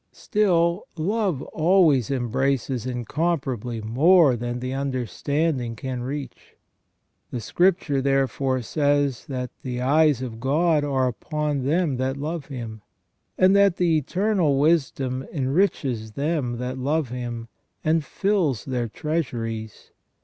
Still love always embraces incomparably more than the under standing can reach. The Scripture therefore says, that " the eyes of God are upon them that love Him"; and that the Eternal Wisdom enriches them that love Him, and fills their treasuries.